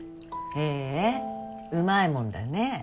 へぇうまいもんだね。